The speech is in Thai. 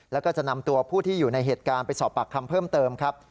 แล้วก็จะนำตัวผู้ที่อยู่ในเหตุการณ์ไปสอบปากคำเพิ่มเติมครับ